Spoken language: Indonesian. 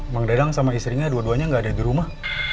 bang dadang sama istrinya dua duanya gak ada di rumah